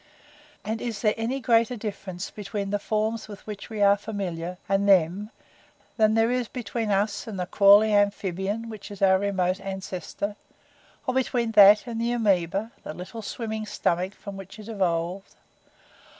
And is there any greater difference between the forms with which we are familiar and them than there is between us and the crawling amphibian which is our remote ancestor? Or between that and the amoeba the little swimming stomach from which it evolved?